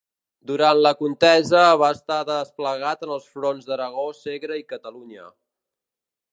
Durant la contesa va estar desplegat en els fronts d'Aragó, Segre i Catalunya.